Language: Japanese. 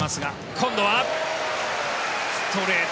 今度はストレート